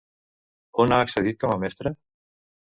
On ha exercit com a mestra?